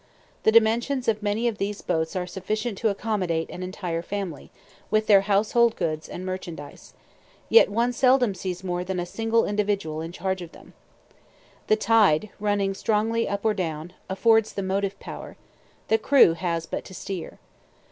The dimensions of many of these boats are sufficient to accommodate an entire family, with their household goods and merchandise, yet one seldom sees more than a single individual in charge of them. The tide, running strongly up or down, affords the motive power; "the crew" has but to steer.